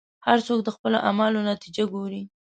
هر څوک د خپلو اعمالو نتیجه ګوري.